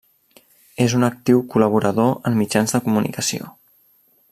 És un actiu col·laborador en mitjans de comunicació.